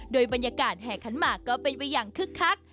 โดยบรรยากาศแห่ขันหมากก็เป็นไปอย่างคึกคัก